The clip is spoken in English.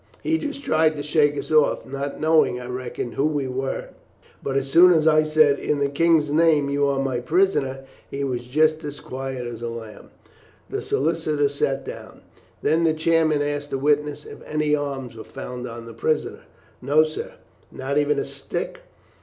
He just tried to shake us off, not knowing, I reckon, who we were; but as soon as I said, 'In the King's name, you are my prisoner,' he was just as quiet as a lamb." The solicitor sat down. Then the chairman asked the witness if any arms were found on the prisoner. "No, sir." "Not even a stick?"